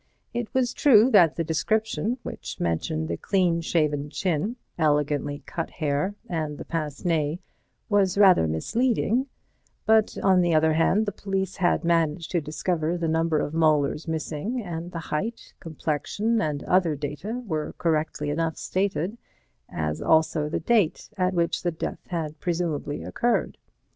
It was true that the description, which mentioned the clean shaven chin, elegantly cut hair and the pince nez, was rather misleading but on the other hand, the police had managed to discover the number of molars missing, and the height, complexion and other data were correctly enough stated, as also the date at which death had presumably occurred.